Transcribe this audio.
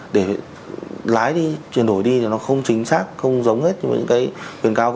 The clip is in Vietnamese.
để lái đi chuyển đổi đi thì nó không chính xác không giống hết như những cái quyền cao